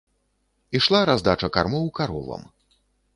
Ішла раздача кармоў каровам.